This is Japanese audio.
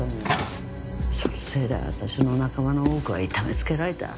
そのせいで私の仲間の多くは痛めつけられた。